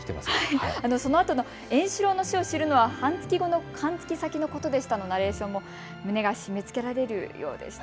そのあとの円四郎の死を知るのは半月先のことでしたというナレーションも胸が締めつけられるようでしたね。